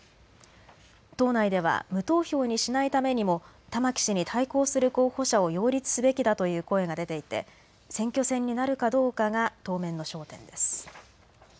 党内では無投票にしないためにも玉木氏に対抗する候補者を擁立すべきだという声が出ていて選挙戦になるかどうかが当面の焦点です。